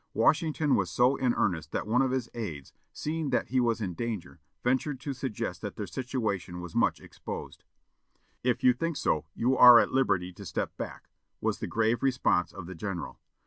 Washington was so in earnest that one of his aids, seeing that he was in danger, ventured to suggest that their situation was much exposed. "If you think so, you are at liberty to step back," was the grave response of the general.